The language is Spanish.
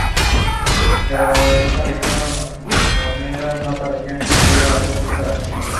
Las críticas contra la radio y el sitio web han sido generalizadas y contundentes.